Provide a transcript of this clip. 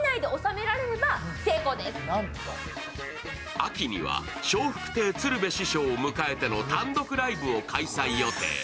秋には笑福亭鶴瓶師匠を迎えての単独ライブを開催予定。